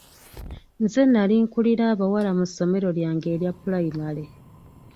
Nze nali nkulira bawala mu ssomero lyange erya pulayimale.